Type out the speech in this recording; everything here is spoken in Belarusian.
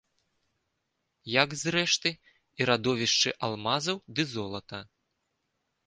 Як, зрэшты, і радовішчы алмазаў ды золата.